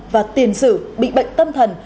và tiền xử bị bệnh tâm thần